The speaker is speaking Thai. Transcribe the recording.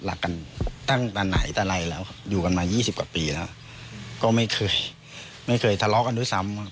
รักกันตั้งแต่ไหนแต่ไรแล้วครับอยู่กันมา๒๐กว่าปีแล้วก็ไม่เคยไม่เคยทะเลาะกันด้วยซ้ำ